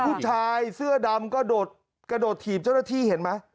ผู้ชายเสื้อดำกระโดดถีบเจ้าหน้าที่เห็นไหม